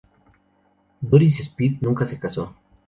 Doris Speed nunca se casó.